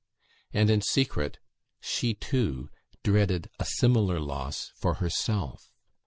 And, in secret, she, too, dreaded a similar loss for herself.